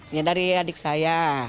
ini dari adik saya